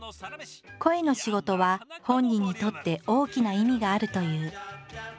声の仕事は本人にとって大きな意味があるという。